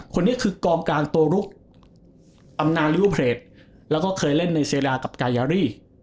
คนนี้คือกองกลางตัวลุกอำนาจลิเวอร์เพลตแล้วก็เคยเล่นในเซรากับกายารี